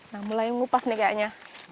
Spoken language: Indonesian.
nah mulai ngupas nih kayaknya